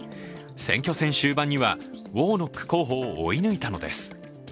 選挙戦終盤にはウォーノック候補を追い抜いたのです。